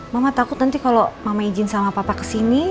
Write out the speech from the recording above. mama takut nanti kalau mama izin sama papa kesini